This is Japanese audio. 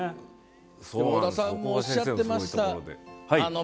織田さんもおっしゃってました。